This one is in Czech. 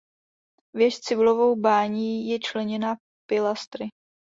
Věž s cibulovou bání je členěná pilastry.